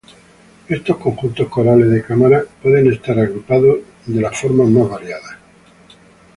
Estos conjuntos corales de cámara pueden estar agrupados de las más variadas formas.